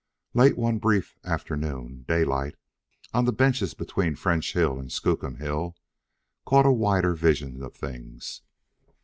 Late one brief afternoon, Daylight, on the benches between French Hill and Skookum Hill, caught a wider vision of things.